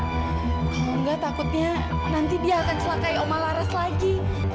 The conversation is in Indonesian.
kalau enggak takutnya nanti dia akan celakai oma laras lagi